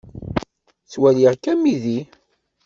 Ttwaliɣ-k d amidi.